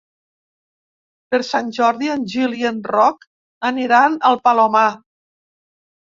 Per Sant Jordi en Gil i en Roc aniran al Palomar.